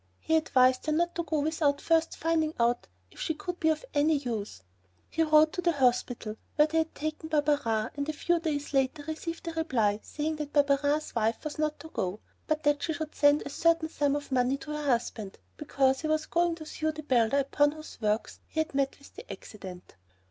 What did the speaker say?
He advised her not to go without first finding out if she could be of any use. He wrote to the hospital where they had taken Barberin, and a few days later received a reply saying that Barberin's wife was not to go, but that she could send a certain sum of money to her husband, because he was going to sue the builder upon whose works he had met with the accident.